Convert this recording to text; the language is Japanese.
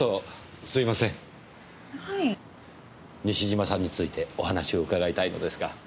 西島さんについてお話を伺いたいのですが。